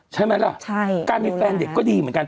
ใช่มั้ยใกล้มีแฟนเด็กก็ดีเหมือนกัน